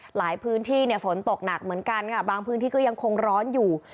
หลายพื้นที่ฝนตกหนักเหมือนกันค่ะบางพื้นที่ก็ยังคงร้อนอยู่